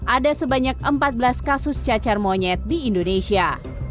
ada sebanyak empat belas kasus cacar monyet di indonesia